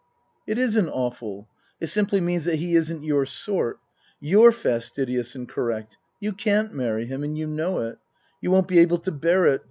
"*'" It isn't awful. It simply means that he isn't your sort. You're fastidious and correct. You can't marry him, and you know it. You won't be able to bear it.